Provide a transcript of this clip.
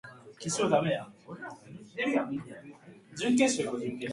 Speaker Pelosi said more money will be needed.